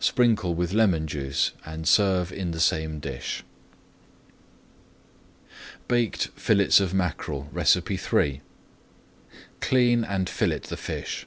Sprinkle with lemon juice and serve in the same dish. BAKED FILLETS OF MACKEREL Clean and fillet the fish.